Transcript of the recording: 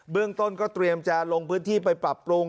เรื่องต้นก็เตรียมจะลงพื้นที่ไปปรับปรุง